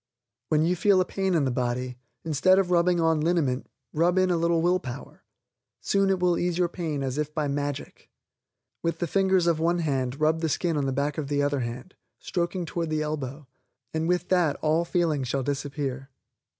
When you feel a pain in the body, instead of rubbing on liniment, rub in a little will power; soon it will ease your pain as if by magic. With the fingers of one hand rub the skin on the back of the other hand, stroking toward the elbow, and will that all feeling shall disappear.